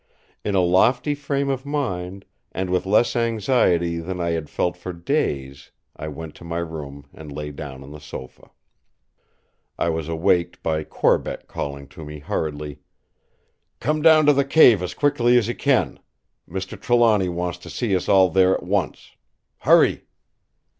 In a lofty frame of mind, and with less anxiety than I had felt for days, I went to my room and lay down on the sofa. I was awaked by Corbeck calling to me, hurriedly: "Come down to the cave as quickly as you can. Mr. Trelawny wants to see us all there at once. Hurry!"